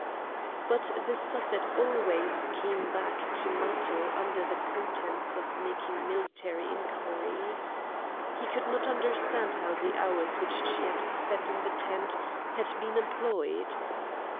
But the Suffet always came back to Matho under pretence of making military inquiries. He could not understand how the hours which she had spent in the tent had been employed.